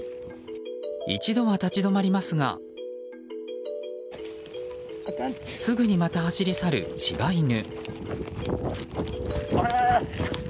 一度は立ち止まりますがすぐにまた走り去る柴犬。